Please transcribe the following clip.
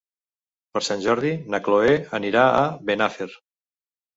Per Sant Jordi na Cloè anirà a Benafer.